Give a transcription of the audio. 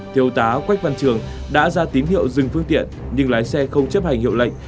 thiếu tá quách văn trường đã ra tín hiệu dừng phương tiện nhưng lái xe không chấp hành hiệu lệnh